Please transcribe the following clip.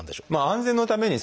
安全のために。